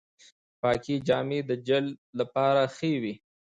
پاکې جامې د جلد لپاره ښې دي۔